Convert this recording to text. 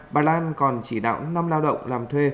bà lan còn chỉ đạo năm lao động làm thuê